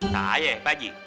nah ayah pak haji